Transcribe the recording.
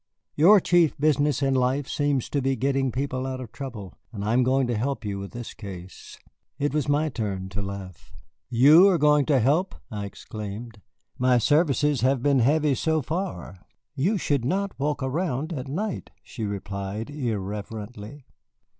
Your chief business in life seems to be getting people out of trouble, and I am going to help you with this case." It was my turn to laugh. "You are going to help!" I exclaimed. "My services have been heavy, so far." "You should not walk around at night," she replied irrelevantly.